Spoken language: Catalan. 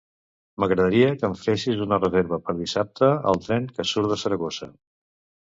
M'agradaria que em fessis una reserva per dissabte al tren que surt de Saragossa.